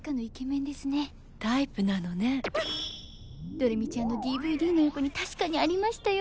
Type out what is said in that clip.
どれみちゃんのＤＶＤの横に確かにありましたよ。